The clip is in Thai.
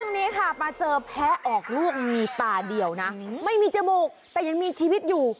นี้ค่ะมาเจอแพ้ออกลูกมีตาเดียวนะไม่มีจมูกแต่ยังมีชีวิตอยู่